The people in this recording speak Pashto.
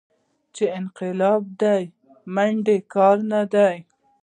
چې انقلاب دې منډې کار نه دى.